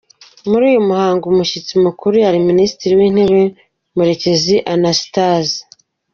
Muri uyu muhango umushyitsi Mukuru yari Minisitiri w’Intebe Murekezi Anastase